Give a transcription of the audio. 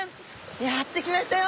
やって来ましたよ！